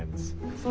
そう。